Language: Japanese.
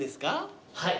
はい。